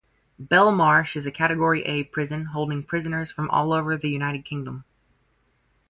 Belmarsh is a Category A Prison holding prisoners from all over the United Kingdom.